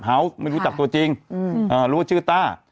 หรูว่าชื่อต้า